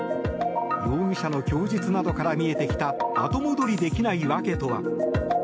容疑者の供述などから見えてきた後戻りできない訳とは。